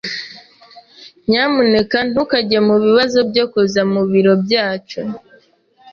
Nyamuneka ntukajye mubibazo byo kuza mubiro byacu.